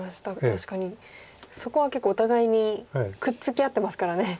確かにそこは結構お互いにくっつき合ってますからね。